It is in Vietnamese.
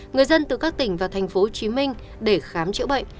người dân từ các tỉnh và thành phố hồ chí minh để khám chữa bệnh